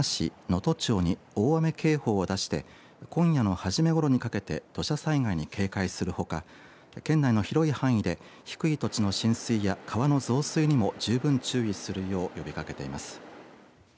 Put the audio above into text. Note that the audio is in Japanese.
能登町に大雨警報を出して今夜の初めごろにかけて土砂災害に警戒するほか県内の広い範囲で低い土地の浸水や川の増水にも十分注意するよう呼びかけています。